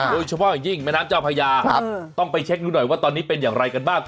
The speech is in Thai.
โดยเฉพาะอย่างยิ่งแม่น้ำเจ้าพญาต้องไปเช็คดูหน่อยว่าตอนนี้เป็นอย่างไรกันบ้าง